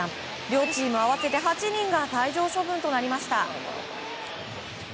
両チーム合わせて８人が退場処分となりました。